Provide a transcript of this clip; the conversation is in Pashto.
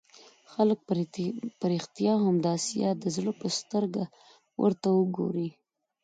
خلک په رښتیا هم د آسیا د زړه په سترګه ورته وګوري.